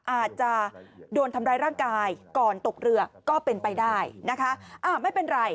อาจจะโดนทำร้ายร่างกายก่อนตกเรือก็เป็นไปได้นะคะ